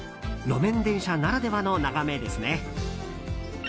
路面電車ならではの眺めですね。